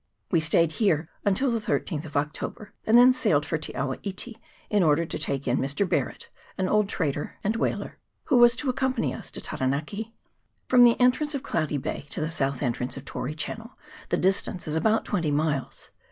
We stayed here until the 13th of October, and then sailed for Te awa iti, in order CHAP. III.] CLOUDY BAY. 95 to take in Mr. Barret, an old trader and whaler, who was to accompany us to Taranaki. From the entrance of Cloudy Bay to the south entrance of Tory Channel the distance is about twenty miles.